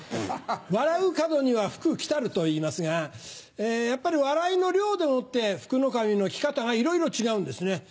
「笑う門には福来る」といいますがやっぱり笑いの量でもって福の神の来方がいろいろ違うんですね。